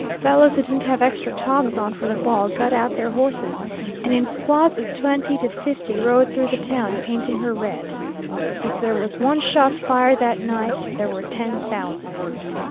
Fellows who didn't have extra togs on for the ball got out their horses, and in squads of twenty to fifty rode through the town, painting her red. If there was one shot fired that night, there were ten thousand.